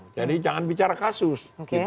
jadi jangan bicara kasus